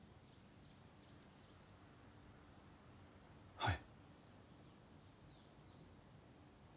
はい。